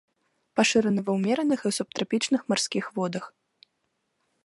Пашыраны ва ўмераных і субтрапічных марскіх водах.